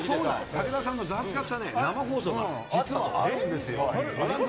武田さんのざわつかせ方、生放送が実はあるんですよ。